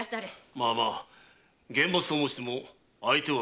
まあまあ厳罰と申しても相手は子供ゆえ。